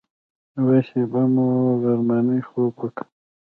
یوه شېبه مو غرمنۍ خوب وکړ.